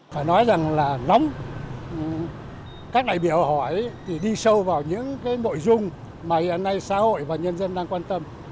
phải nói rằng là nóng các đại biểu hỏi thì đi sâu vào những cái nội dung mà hiện nay xã hội và nhân dân đang quan tâm